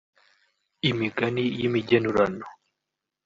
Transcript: imigani y’imigenurano